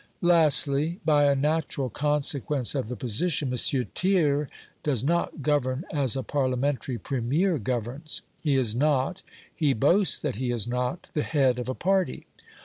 Lastly, by a natural consequence of the position, M. Thiers does not govern as a Parliamentary Premier governs. He is not, he boasts that he is not, the head of a party.